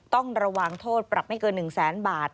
ต้องระวังโทษปรับไม่เกิน๑แสนบาท